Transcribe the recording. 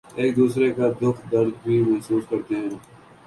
ایک دوسرے کا دکھ درد بھی محسوس کرتے ہیں